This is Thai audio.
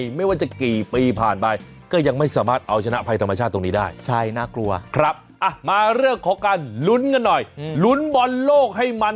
รวมมูลค่าคุณผู้ชมเห็นไหมตัวเลขใหญ่